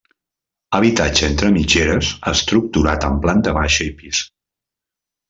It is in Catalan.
Habitatge entre mitgeres estructurat en planta baixa i pis.